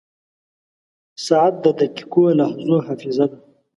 • ساعت د دقیقو لحظو حافظه ده.